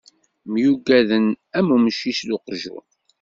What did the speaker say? Myuggaden, am umcic d uqjun.